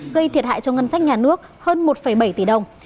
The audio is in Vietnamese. gây thiệt hại cho ngân sách nhà nước hơn một bảy tỷ đồng